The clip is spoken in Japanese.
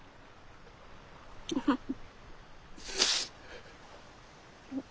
フフフ。